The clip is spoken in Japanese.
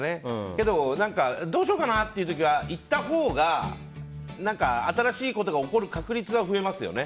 けどどうしようかなっていう時は行ったほうが新しいことが起きる確率が増えますよね。